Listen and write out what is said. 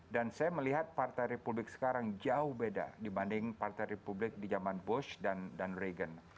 dan saya melihat partai republik sekarang jauh beda dibanding partai republik di zaman bush dan reagan